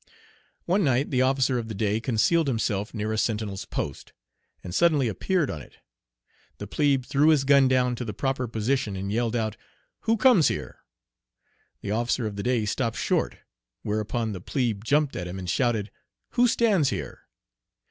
One night the officer of the day concealed himself near a sentinel's post, and suddenly appeared on it. The plebe threw his gun down to the proper position and yelled out, "Who comes here?" The officer of the day stopped short, whereupon the plebe jumped at him and shouted, "Who stands here?"